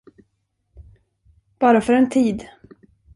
Bara för en tid.